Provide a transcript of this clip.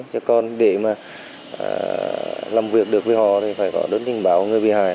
chứ còn để mà làm việc được với họ thì phải có đối tình báo của người bị hại